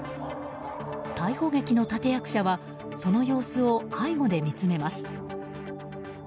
逮捕劇の立役者はその様子を背後で見つめます。